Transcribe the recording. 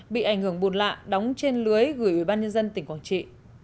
bị ảnh hưởng bùn lạ đóng trên lưới gửi bà nhân dân tỉnh quảng trị